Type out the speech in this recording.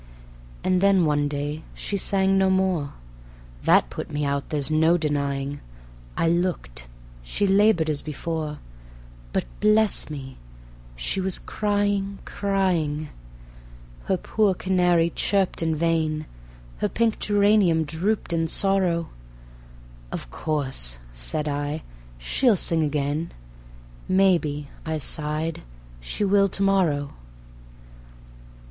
And then one day she sang no more. That put me out, there's no denying. I looked she labored as before, But, bless me! she was crying, crying. Her poor canary chirped in vain; Her pink geranium drooped in sorrow; "Of course," said I, "she'll sing again. Maybe," I sighed, "she will to morrow."